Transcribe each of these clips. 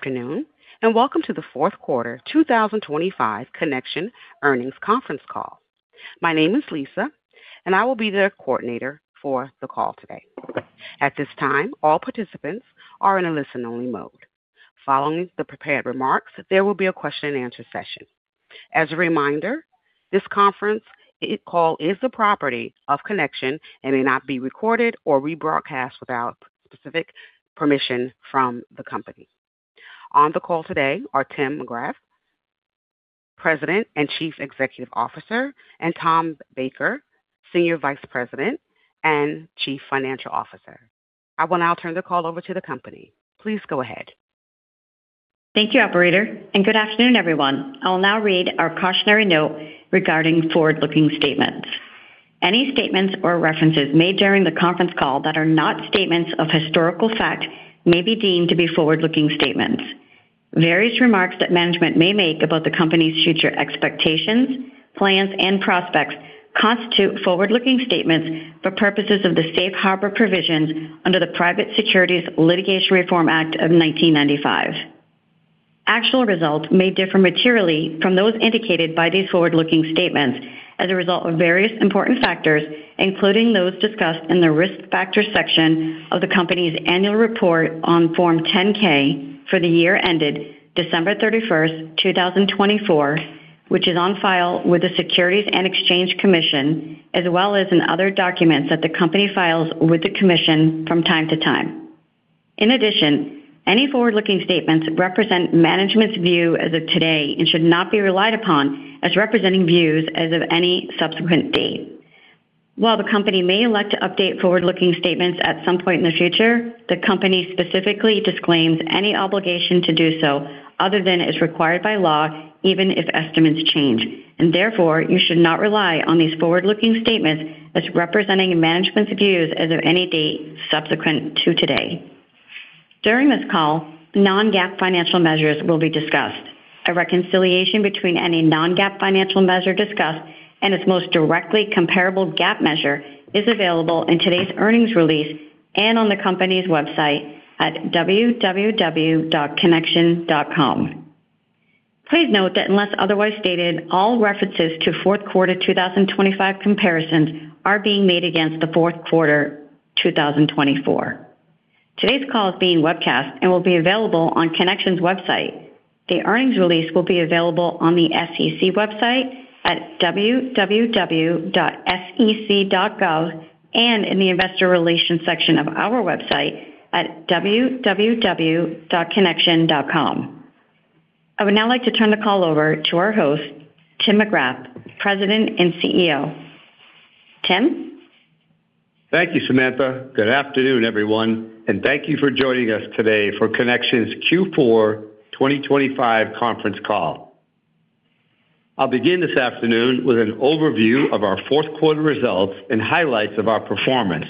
Good afternoon, and welcome to the Q4 2025 Connection Earnings Conference Call. My name is Lisa, and I will be the coordinator for the call today. At this time, all participants are in a listen-only mode. Following the prepared remarks, there will be a question-and-answer session. As a reminder, this conference call is the property of Connection and may not be recorded or rebroadcast without specific permission from the company. On the call today are Tim McGrath, President and Chief Executive Officer, and Tom Baker, Senior Vice President and Chief Financial Officer. I will now turn the call over to the company. Please go ahead. Thank you, operator, and good afternoon, everyone. I'll now read our cautionary note regarding forward-looking statements. Any statements or references made during the conference call that are not statements of historical fact may be deemed to be forward-looking statements. Various remarks that management may make about the company's future expectations, plans, and prospects constitute forward-looking statements for purposes of the Safe Harbor Provisions under the Private Securities Litigation Reform Act of 1995. Actual results may differ materially from those indicated by these forward-looking statements as a result of various important factors, including those discussed in the Risk Factors section of the company's annual report on Form 10-K for the year ended December 31, 2024, which is on file with the Securities and Exchange Commission, as well as in other documents that the company files with the commission from time to time. In addition, any forward-looking statements represent management's view as of today and should not be relied upon as representing views as of any subsequent date. While the company may elect to update forward-looking statements at some point in the future, the company specifically disclaims any obligation to do so other than as required by law, even if estimates change, and therefore, you should not rely on these forward-looking statements as representing management's views as of any date subsequent to today. During this call, non-GAAP financial measures will be discussed. A reconciliation between any non-GAAP financial measure discussed and its most directly comparable GAAP measure is available in today's earnings release and on the company's website at www.connection.com. Please note that unless otherwise stated, all references to Q4 2025 comparisons are being made against the Q4 2024. Today's call is being webcast and will be available on Connection's website. The earnings release will be available on the SEC website at www.sec.gov and in the Investor Relations section of our website at www.connection.com. I would now like to turn the call over to our host, Tim McGrath, President and CEO. Tim? Thank you, Samantha. Good afternoon, everyone, and thank you for joining us today for Connection's Q4 2025 conference call. I'll begin this afternoon with an overview of our Q4 results and highlights of our performance.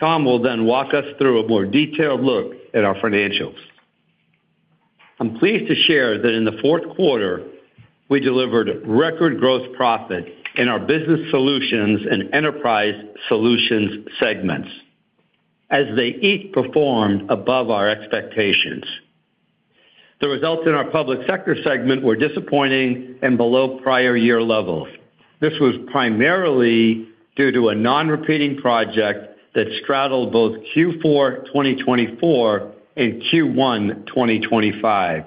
Tom will then walk us through a more detailed look at our financials. I'm pleased to share that in the Q4, we delivered record growth profit in our Business Solutions and Enterprise Solutions segments, as they each performed above our expectations. The results in our Public Sector segment were disappointing and below prior year levels. This was primarily due to a non-repeating project that straddled both Q4 2024 and Q1 2025.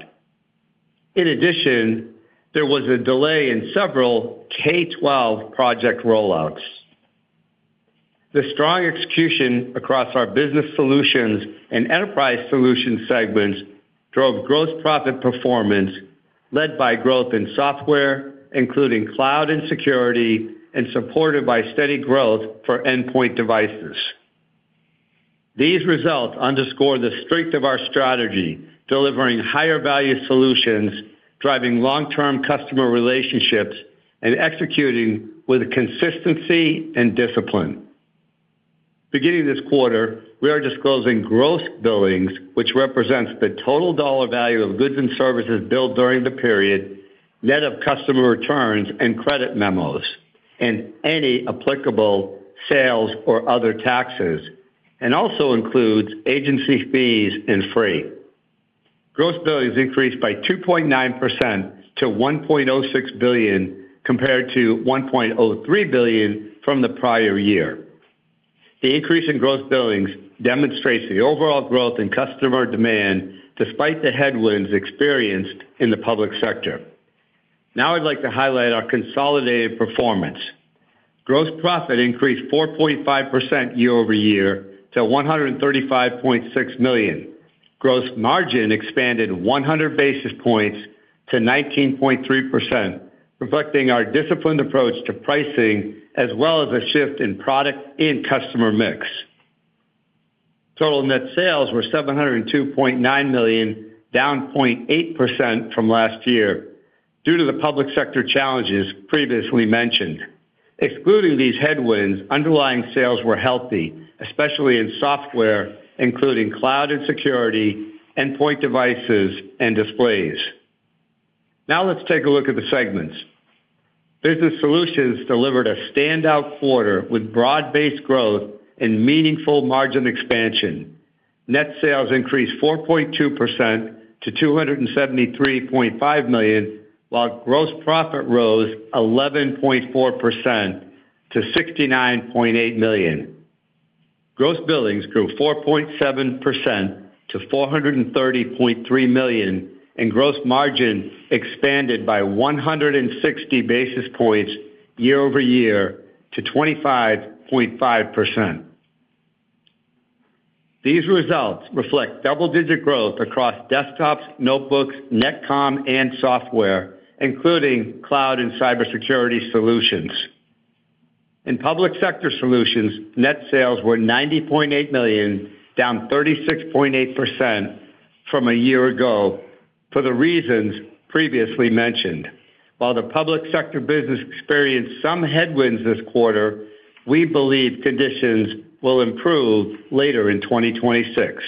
In addition, there was a delay in several K-12 project rollouts. The strong execution across our Business Solutions and Enterprise Solutions segments drove gross profit performance, led by growth in software, including cloud and security, and supported by steady growth for endpoint devices. These results underscore the strength of our strategy, delivering higher value solutions, driving long-term customer relationships, and executing with consistency and discipline. Beginning this quarter, we are disclosing gross billings, which represents the total dollar value of goods and services billed during the period, net of customer returns and credit memos, and any applicable sales or other taxes, and also includes agency fees and freight. Gross billings increased by 2.9% to $1.06 billion, compared to $1.03 billion from the prior year. The increase in gross billings demonstrates the overall growth in customer demand, despite the headwinds experienced in the Public Sector. Now, I'd like to highlight our consolidated performance. Gross profit increased 4.5% year-over-year to $135.6 million. Gross margin expanded 100 basis points to 19.3%, reflecting our disciplined approach to pricing as well as a shift in product and customer mix. Total net sales were $702.9 million, down 0.8% from last year due to the public sector challenges previously mentioned. Excluding these headwinds, underlying sales were healthy, especially in software, including cloud and security, endpoint devices, and displays.... Now let's take a look at the segments. Business Solutions delivered a standout quarter with broad-based growth and meaningful margin expansion. Net sales increased 4.2% to $273.5 million, while gross profit rose 11.4% to $69.8 million. Gross billings grew 4.7% to $430.3 million, and gross margin expanded by 160 basis points year-over-year to 25.5%. These results reflect double-digit growth across desktops, notebooks, Net/Com, and software, including cloud and cybersecurity solutions. In Public Sector Solutions, net sales were $90.8 million, down 36.8% from a year ago, for the reasons previously mentioned. While the public sector business experienced some headwinds this quarter, we believe conditions will improve later in 2026.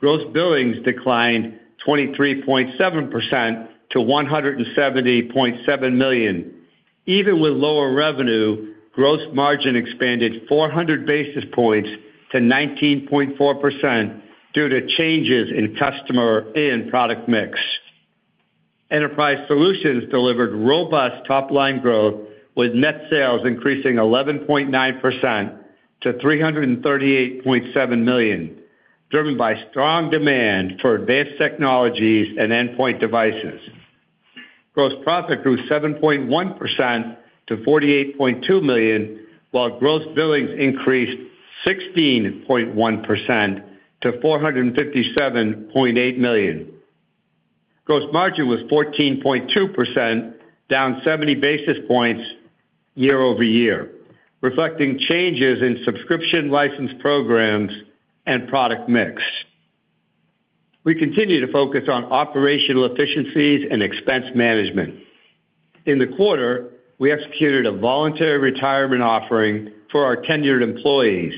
Gross billings declined 23.7% to $170.7 million. Even with lower revenue, gross margin expanded 400 basis points to 19.4% due to changes in customer and product mix. Enterprise Solutions delivered robust top-line growth, with net sales increasing 11.9% to $338.7 million, driven by strong demand for advanced technologies and endpoint devices. Gross profit grew 7.1% to $48.2 million, while Gross Billings increased 16.1% to $457.8 million. Gross margin was 14.2%, down 70 basis points year-over-year, reflecting changes in subscription license programs and product mix. We continue to focus on operational efficiencies and expense management. In the quarter, we executed a voluntary retirement offering for our tenured employees.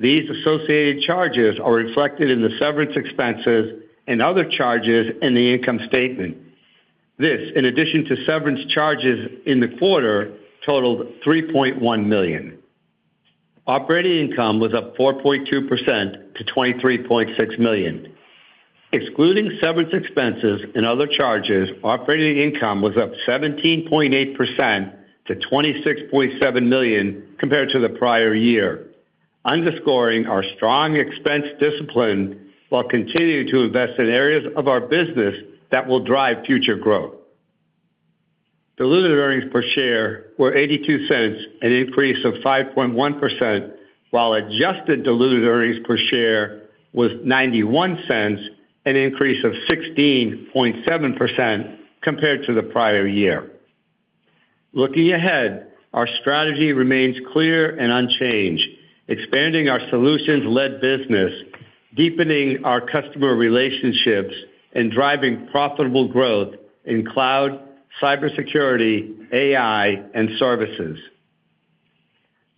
These associated charges are reflected in the severance expenses and other charges in the income statement. This, in addition to severance charges in the quarter, totaled $3.1 million. Operating income was up 4.2% to $23.6 million. Excluding severance expenses and other charges, operating income was up 17.8% to $26.7 million compared to the prior year, underscoring our strong expense discipline, while continuing to invest in areas of our business that will drive future growth. Diluted earnings per share were $0.82, an increase of 5.1%, while adjusted diluted earnings per share was $0.91, an increase of 16.7% compared to the prior year. Looking ahead, our strategy remains clear and unchanged, expanding our solutions-led business, deepening our customer relationships, and driving profitable growth in cloud, cybersecurity, AI, and services.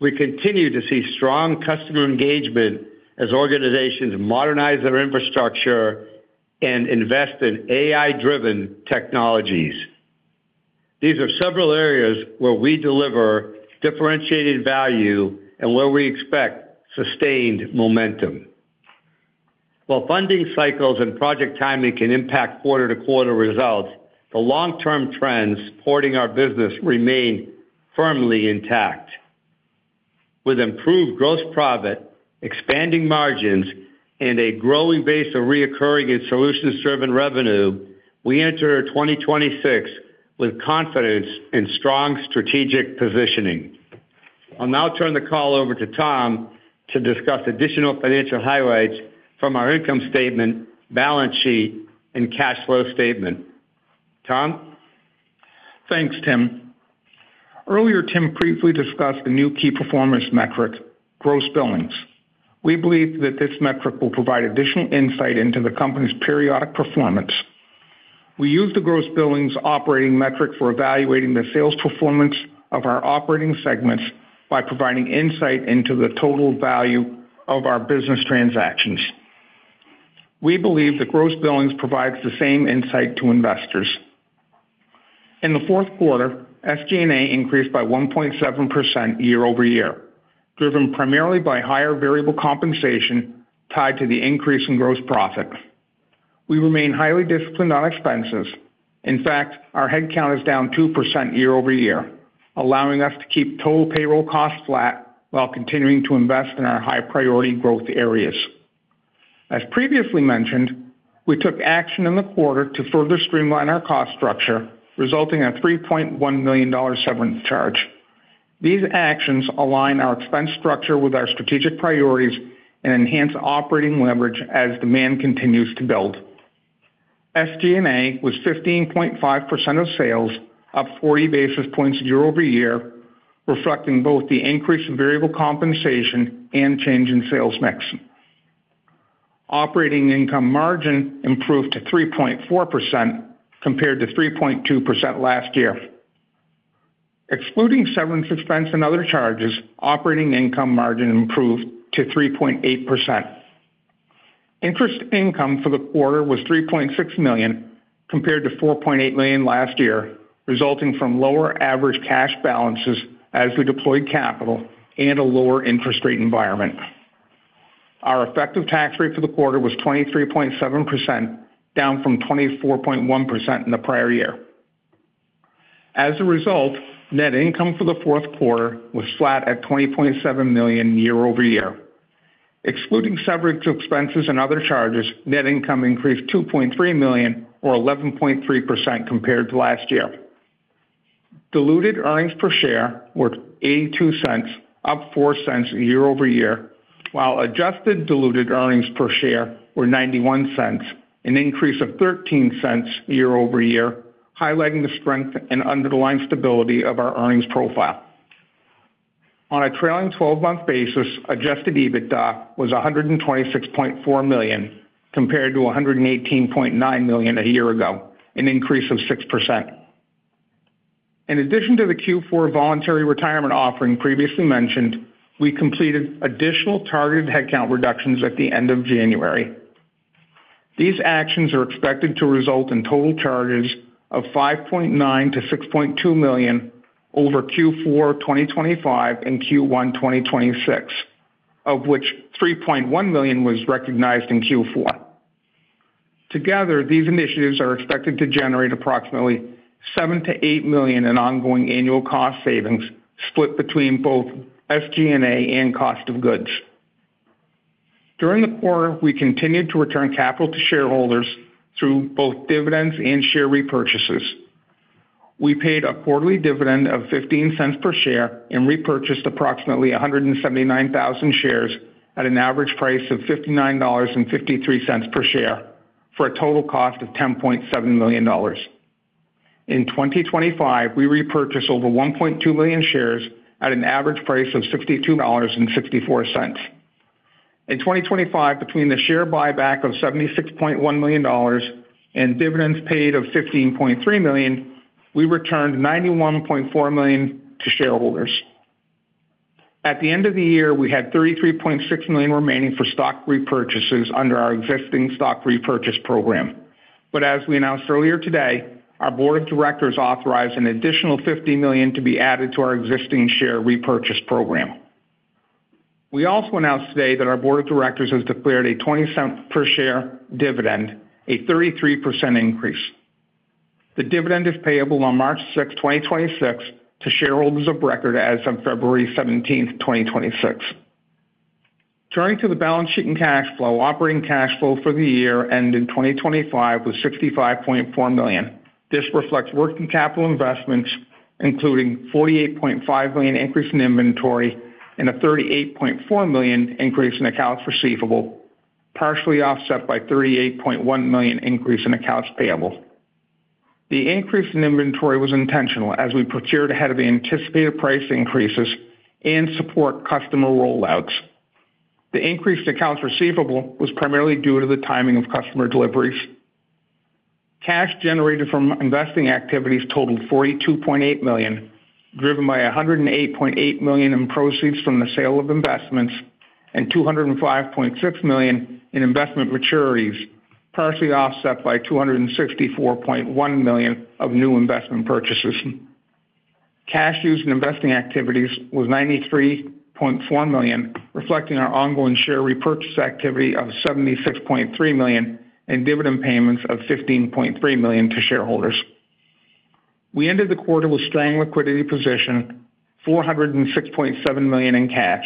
We continue to see strong customer engagement as organizations modernize their infrastructure and invest in AI-driven technologies. These are several areas where we deliver differentiated value and where we expect sustained momentum. While funding cycles and project timing can impact quarter-to-quarter results, the long-term trends supporting our business remain firmly intact. With improved gross profit, expanding margins, and a growing base of recurring and solutions-driven revenue, we enter 2026 with confidence and strong strategic positioning. I'll now turn the call over to Tom to discuss additional financial highlights from our income statement, balance sheet, and cash flow statement. Tom? Thanks, Tim. Earlier, Tim briefly discussed a new key performance metric, Gross Billings. We believe that this metric will provide additional insight into the company's periodic performance. We use the Gross Billings operating metric for evaluating the sales performance of our operating segments by providing insight into the total value of our business transactions. We believe that Gross Billings provides the same insight to investors. In the Q4, SG&A increased by 1.7% year-over-year, driven primarily by higher variable compensation tied to the increase in gross profits. We remain highly disciplined on expenses. In fact, our headcount is down 2% year-over-year, allowing us to keep total payroll costs flat while continuing to invest in our high-priority growth areas. As previously mentioned, we took action in the quarter to further streamline our cost structure, resulting in a $3.1 million severance charge. These actions align our expense structure with our strategic priorities and enhance operating leverage as demand continues to build. SG&A was 15.5% of sales, up 40 basis points year-over-year, reflecting both the increase in variable compensation and change in sales mix. Operating income margin improved to 3.4% compared to 3.2% last year. Excluding severance expense and other charges, operating income margin improved to 3.8%. Interest income for the quarter was $3.6 million, compared to $4.8 million last year, resulting from lower average cash balances as we deployed capital and a lower interest rate environment. Our effective tax rate for the quarter was 23.7%, down from 24.1% in the prior year. As a result, net income for the Q4 was flat at $20.7 million year-over-year. Excluding severance expenses and other charges, net income increased $2.3 million, or 11.3% compared to last year. Diluted earnings per share were $0.82, up $0.04 year-over-year, while adjusted diluted earnings per share were $0.91, an increase of $0.13 year-over-year, highlighting the strength and underlying stability of our earnings profile. On a trailing twelve-month basis, Adjusted EBITDA was $126.4 million, compared to $118.9 million a year ago, an increase of 6%. In addition to the Q4 voluntary retirement offering previously mentioned, we completed additional targeted headcount reductions at the end of January. These actions are expected to result in total charges of $5.9 million-$6.2 million over Q4 2025 and Q1 2026, of which $3.1 million was recognized in Q4. Together, these initiatives are expected to generate approximately $7 million-$8 million in ongoing annual cost savings, split between both SG&A and cost of goods. During the quarter, we continued to return capital to shareholders through both dividends and share repurchases. We paid a quarterly dividend of $0.15 per share and repurchased approximately 179,000 shares at an average price of $59.53 per share, for a total cost of $10.7 million. In 2025, we repurchased over 1.2 million shares at an average price of $62.64. In 2025, between the share buyback of $76.1 million and dividends paid of $15.3 million, we returned $91.4 million to shareholders. At the end of the year, we had $33.6 million remaining for stock repurchases under our existing stock repurchase program. But as we announced earlier today, our board of directors authorized an additional $50 million to be added to our existing share repurchase program. We also announced today that our board of directors has declared a $0.20 per share dividend, a 33% increase. The dividend is payable on March sixth, 2026, to shareholders of record as on February seventeenth, 2026. Turning to the balance sheet and cash flow, operating cash flow for the year ended in 2025 was $65.4 million. This reflects working capital investments, including $48.5 million increase in inventory and a $38.4 million increase in accounts receivable, partially offset by $38.1 million increase in accounts payable. The increase in inventory was intentional, as we procured ahead of the anticipated price increases and support customer rollouts. The increased accounts receivable was primarily due to the timing of customer deliveries. Cash generated from investing activities totaled $42.8 million, driven by $108.8 million in proceeds from the sale of investments and $205.6 million in investment maturities, partially offset by $264.1 million of new investment purchases. Cash used in investing activities was $93.4 million, reflecting our ongoing share repurchase activity of $76.3 million and dividend payments of $15.3 million to shareholders. We ended the quarter with a strong liquidity position, $406.7 million in cash,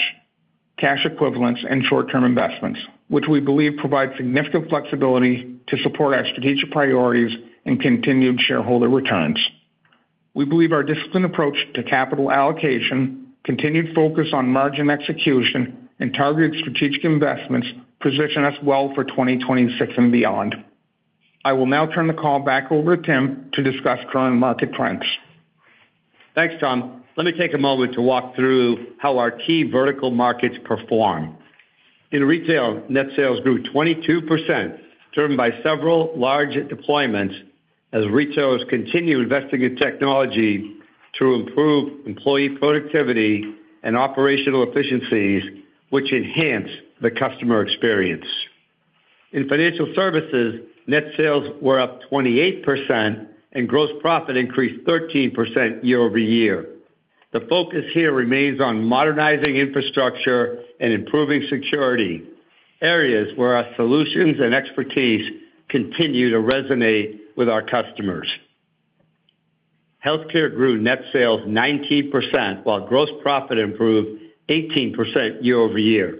cash equivalents, and short-term investments, which we believe provide significant flexibility to support our strategic priorities and continued shareholder returns. We believe our disciplined approach to capital allocation, continued focus on margin execution, and targeted strategic investments position us well for 2026 and beyond. I will now turn the call back over to Tim to discuss current market trends. Thanks, Tom. Let me take a moment to walk through how our key vertical markets perform. In retail, net sales grew 22%, driven by several large deployments as retailers continue investing in technology to improve employee productivity and operational efficiencies, which enhance the customer experience. In financial services, net sales were up 28%, and gross profit increased 13% year-over-year. The focus here remains on modernizing infrastructure and improving security, areas where our solutions and expertise continue to resonate with our customers. Healthcare grew net sales 19%, while gross profit improved 18% year-over-year.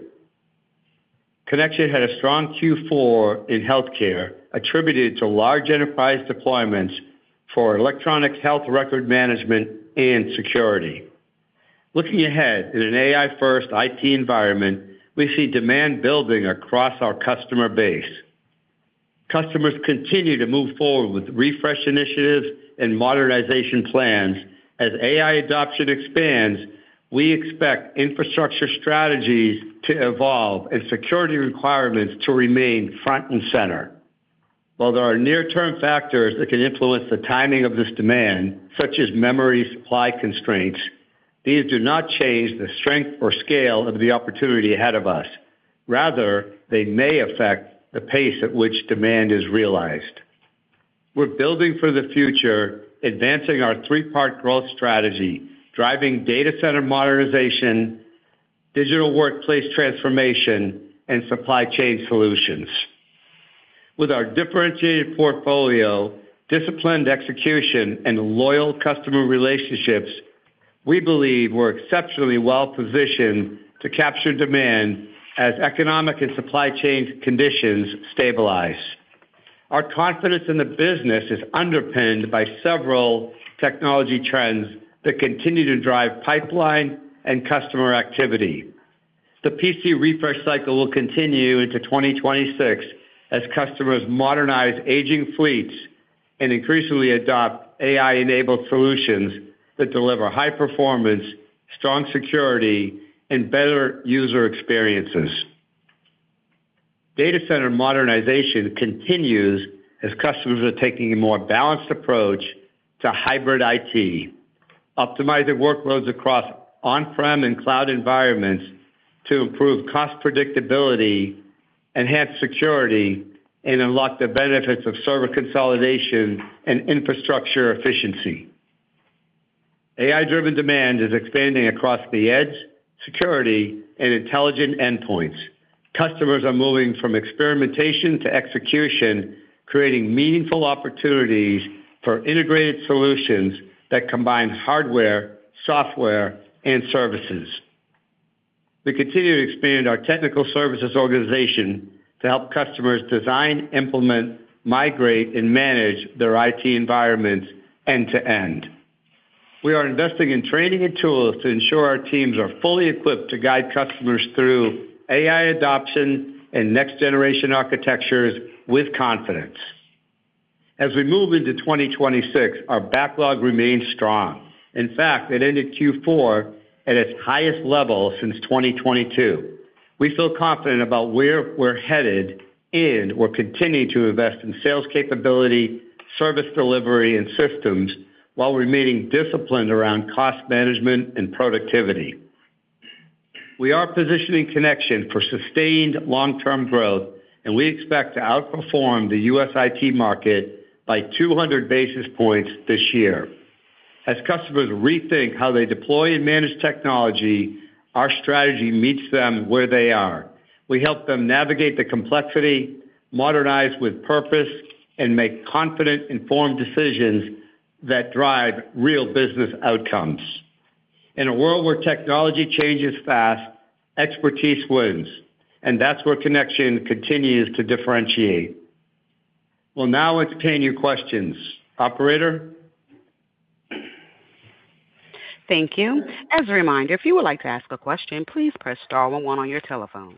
Connection had a strong Q4 in healthcare, attributed to large enterprise deployments for electronic health record management and security. Looking ahead, in an AI-first IT environment, we see demand building across our customer base. Customers continue to move forward with refresh initiatives and modernization plans. As AI adoption expands, we expect infrastructure strategies to evolve and security requirements to remain front and center. While there are near-term factors that can influence the timing of this demand, such as memory supply constraints, these do not change the strength or scale of the opportunity ahead of us. Rather, they may affect the pace at which demand is realized. We're building for the future, advancing our three-part growth strategy, driving data center modernization, digital workplace transformation, and supply chain solutions. With our differentiated portfolio, disciplined execution, and loyal customer relationships, we believe we're exceptionally well positioned to capture demand as economic and supply chain conditions stabilize. Our confidence in the business is underpinned by several technology trends that continue to drive pipeline and customer activity. The PC refresh cycle will continue into 2026 as customers modernize aging fleets and increasingly adopt AI-enabled solutions that deliver high performance, strong security, and better user experiences. Data center modernization continues as customers are taking a more balanced approach to hybrid IT, optimizing workloads across on-prem and cloud environments to improve cost predictability, enhance security, and unlock the benefits of server consolidation and infrastructure efficiency. AI-driven demand is expanding across the edge, security, and intelligent endpoints. Customers are moving from experimentation to execution, creating meaningful opportunities for integrated solutions that combine hardware, software, and services. We continue to expand our technical services organization to help customers design, implement, migrate, and manage their IT environments end-to-end. We are investing in training and tools to ensure our teams are fully equipped to guide customers through AI adoption and next-generation architectures with confidence. As we move into 2026, our backlog remains strong. In fact, it ended Q4 at its highest level since 2022. We feel confident about where we're headed, and we're continuing to invest in sales capability, service delivery, and systems, while remaining disciplined around cost management and productivity. We are positioning Connection for sustained long-term growth, and we expect to outperform the U.S. IT market by 200 basis points this year. As customers rethink how they deploy and manage technology, our strategy meets them where they are. We help them navigate the complexity, modernize with purpose, and make confident, informed decisions that drive real business outcomes. In a world where technology changes fast, expertise wins, and that's where Connection continues to differentiate. We'll now entertain your questions. Operator? Thank you. As a reminder, if you would like to ask a question, please press star one one on your telephone.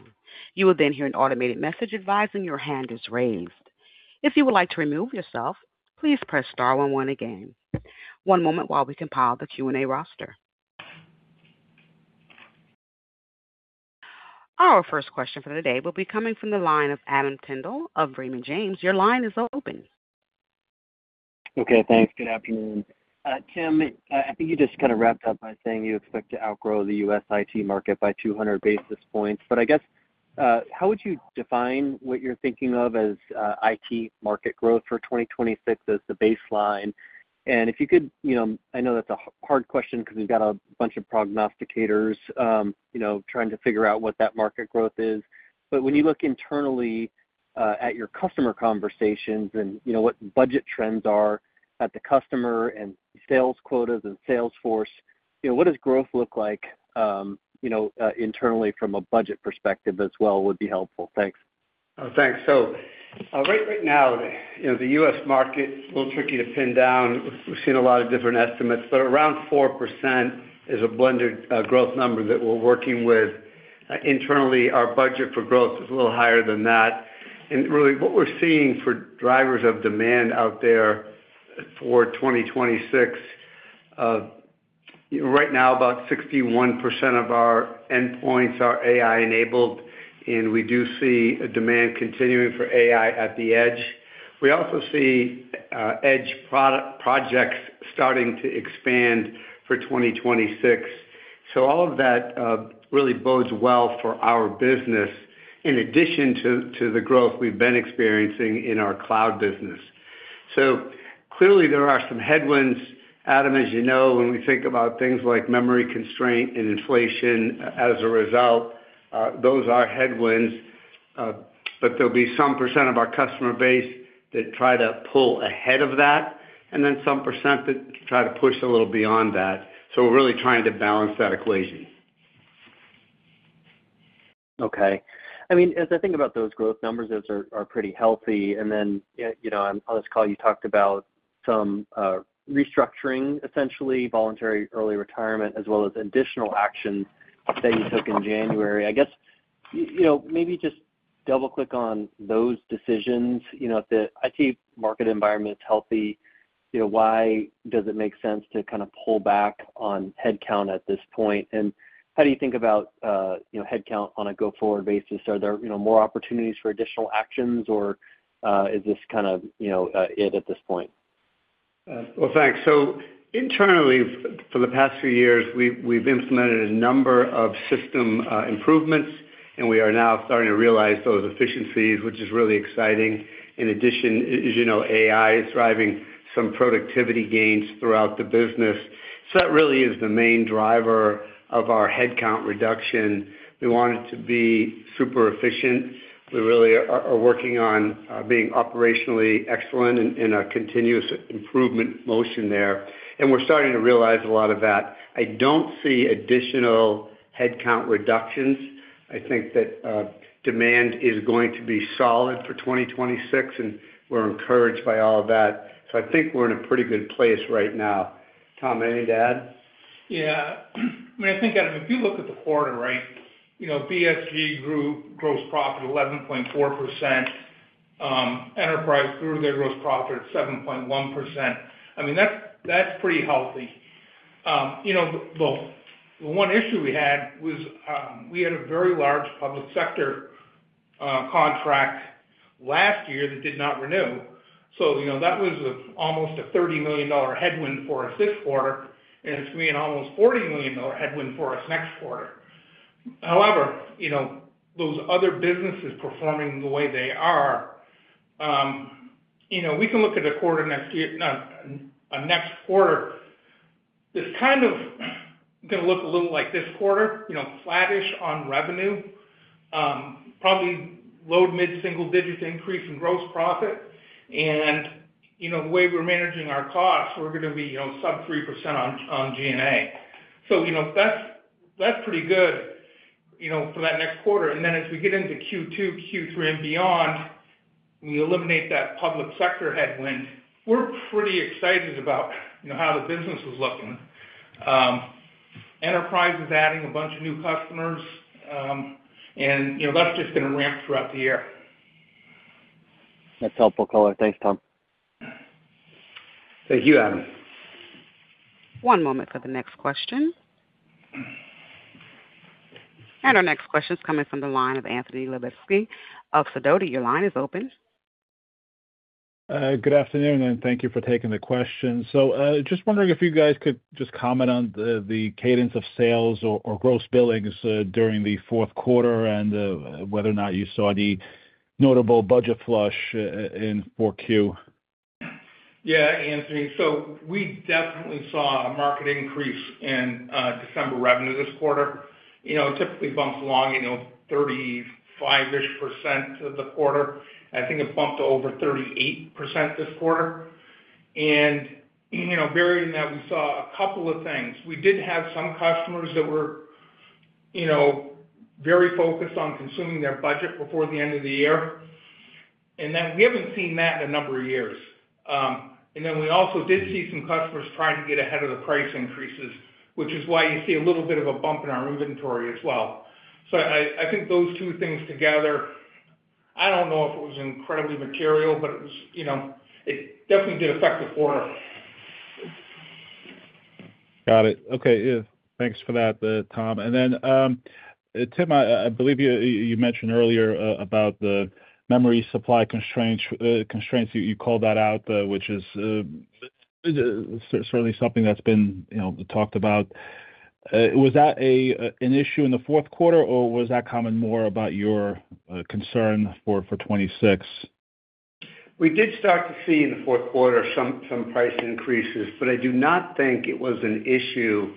You will then hear an automated message advising your hand is raised. If you would like to remove yourself, please press star one one again. One moment while we compile the Q&A roster. Our first question for the day will be coming from the line of Adam Tindle of Raymond James. Your line is now open. Okay, thanks. Good afternoon. Tim, I think you just kind of wrapped up by saying you expect to outgrow the U.S. IT market by 200 basis points. But I guess, how would you define what you're thinking of as IT market growth for 2026 as the baseline? And if you could... You know, I know that's a hard question because we've got a bunch of prognosticators, you know, trying to figure out what that market growth is. But when you look internally at your customer conversations and, you know, what budget trends are at the customer and sales quotas and sales force, you know, what does growth look like, you know, internally from a budget perspective as well, would be helpful. Thanks. Oh, thanks. So, right, right now, you know, the U.S. market, it's a little tricky to pin down. We've seen a lot of different estimates, but around 4% is a blended growth number that we're working with. Internally, our budget for growth is a little higher than that. And really, what we're seeing for drivers of demand out there for 2026, right now, about 61% of our endpoints are AI-enabled, and we do see a demand continuing for AI at the edge. We also see, edge product- projects starting to expand for 2026. So all of that really bodes well for our business, in addition to, to the growth we've been experiencing in our cloud business. So clearly, there are some headwinds, Adam, as you know, when we think about things like memory constraint and inflation as a result, those are headwinds, but there'll be some percent of our customer base that try to pull ahead of that, and then some percent that try to push a little beyond that. So we're really trying to balance that equation. Okay. I mean, as I think about those growth numbers, those are pretty healthy. And then, you know, on this call, you talked about some restructuring, essentially, voluntary early retirement, as well as additional actions that you took in January. I guess, you know, maybe just double-click on those decisions, you know, the IT market environment is healthy, you know, why does it make sense to kind of pull back on headcount at this point? And how do you think about, you know, headcount on a go-forward basis? Are there, you know, more opportunities for additional actions, or is this kind of, you know, it at this point?... Well, thanks. So internally, for the past few years, we've implemented a number of system improvements, and we are now starting to realize those efficiencies, which is really exciting. In addition, as you know, AI is driving some productivity gains throughout the business. So that really is the main driver of our headcount reduction. We want it to be super efficient. We really are working on being operationally excellent in a continuous improvement motion there, and we're starting to realize a lot of that. I don't see additional headcount reductions. I think that demand is going to be solid for 2026, and we're encouraged by all of that. So I think we're in a pretty good place right now. Tom, anything to add? Yeah. I mean, Adam, if you look at the quarter, right, you know, BSG grew gross profit 11.4%. Enterprise grew their gross profit at 7.1%. I mean, that's, that's pretty healthy. You know, the, the one issue we had was, we had a very large public sector, contract last year that did not renew. So, you know, that was almost a $30 million headwind for us this quarter, and it's gonna be almost a $40 million headwind for us next quarter. However, you know, those other businesses performing the way they are, you know, we can look at the quarter next year, no, next quarter. It's kind of gonna look a little like this quarter, you know, flattish on revenue, probably low to mid-single digits increase in gross profit, and, you know, the way we're managing our costs, we're gonna be, you know, sub 3% on SG&A. So, you know, that's, that's pretty good, you know, for that next quarter. And then as we get into Q2, Q3 and beyond, we eliminate that public sector headwind. We're pretty excited about, you know, how the business is looking. Enterprise is adding a bunch of new customers, and, you know, that's just gonna ramp throughout the year. That's helpful color. Thanks, Tom. Thank you, Adam. One moment for the next question. Our next question is coming from the line of Anthony Lebiedzinski of Sidoti. Your line is open. Good afternoon, and thank you for taking the question. So, just wondering if you guys could just comment on the cadence of sales or gross billings during the Q4, and whether or not you saw the notable budget flush in four Q. Yeah, Anthony, so we definitely saw a marked increase in December revenue this quarter. You know, it typically bumps along, you know, 35-ish% of the quarter. I think it bumped to over 38% this quarter. And, you know, buried in that, we saw a couple of things. We did have some customers that were, you know, very focused on consuming their budget before the end of the year, and then we haven't seen that in a number of years. And then we also did see some customers trying to get ahead of the price increases, which is why you see a little bit of a bump in our inventory as well. So I think those two things together, I don't know if it was incredibly material, but it was... You know, it definitely did affect the quarter. Got it. Okay, yeah. Thanks for that, Tom. And then, Tim, I believe you mentioned earlier about the memory supply constraints, you called that out, which is certainly something that's been, you know, talked about. Was that an issue in the Q4, or was that comment more about your concern for 2026? We did start to see in the Q4 some price increases, but I do not think it was an issue.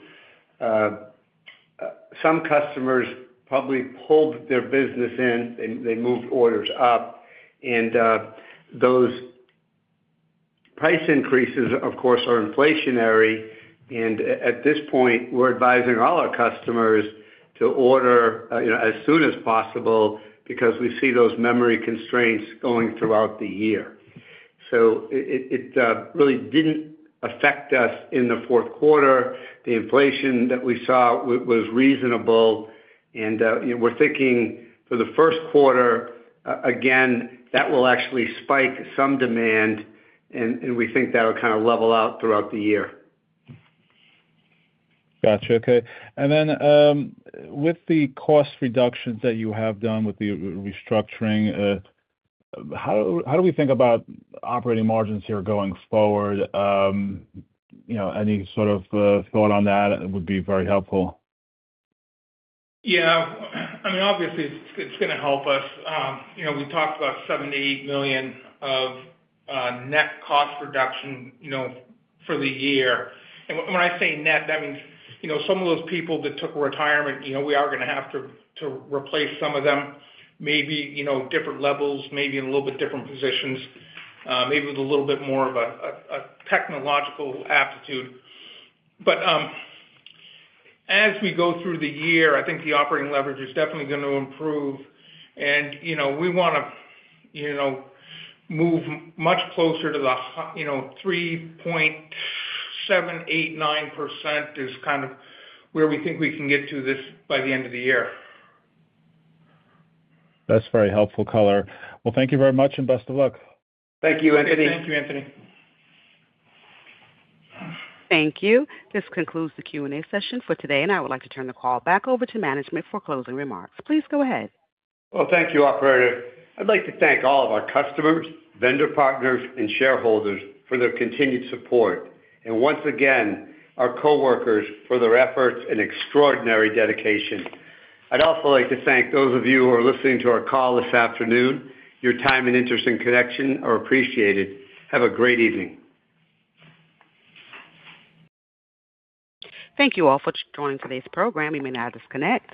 Some customers probably pulled their business in, and they moved orders up, and those price increases, of course, are inflationary, and at this point, we're advising all our customers to order, you know, as soon as possible because we see those memory constraints going throughout the year. So it really didn't affect us in the Q4. The inflation that we saw was reasonable, and, you know, we're thinking for the Q1, again, that will actually spike some demand, and we think that'll kind of level out throughout the year. Gotcha. Okay. And then, with the cost reductions that you have done with the restructuring, how do we think about operating margins here going forward? You know, any sort of thought on that would be very helpful. Yeah. I mean, obviously, it's gonna help us. You know, we talked about $7 million-$8 million of net cost reduction, you know, for the year. And when I say net, that means, you know, some of those people that took retirement, you know, we are gonna have to replace some of them, maybe, you know, different levels, maybe in a little bit different positions, maybe with a little bit more of a technological aptitude. But, as we go through the year, I think the operating leverage is definitely gonna improve, and, you know, we wanna, you know, move much closer to the, you know, 3.7%, 3.8%, 3.9% is kind of where we think we can get to by the end of the year. That's very helpful color. Well, thank you very much, and best of luck. Thank you, Anthony. Thank you, Anthony. Thank you. This concludes the Q&A session for today, and I would like to turn the call back over to management for closing remarks. Please go ahead. Well, thank you, operator. I'd like to thank all of our customers, vendor partners, and shareholders for their continued support, and once again, our coworkers for their efforts and extraordinary dedication. I'd also like to thank those of you who are listening to our call this afternoon. Your time and interest in Connection are appreciated. Have a great evening. Thank you all for joining today's program. You may now disconnect.